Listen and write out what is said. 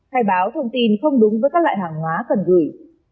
khai báo thông tin không đúng với các loại hàng hóa cần gửi